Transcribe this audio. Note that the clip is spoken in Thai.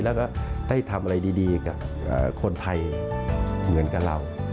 แล้วก็ได้ทำอะไรดีกับคนไทยเหมือนกับเรา